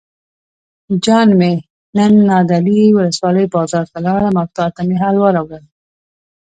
جان مې نن نادعلي ولسوالۍ بازار ته لاړم او تاته مې حلوا راوړل.